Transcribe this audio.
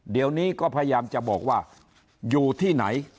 เดี๋ยวนี้ก็พยายามจะบอกว่าอยู่ที่ไหน